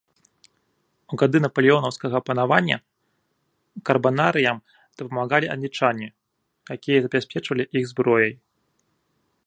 У гады напалеонаўскага панавання карбанарыям дапамагалі англічане, якія забяспечвалі іх зброяй.